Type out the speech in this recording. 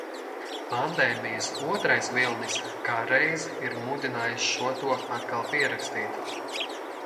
Pandēmijas otrais vilnis kā reiz ir mudinājis šo to atkal pierakstīt.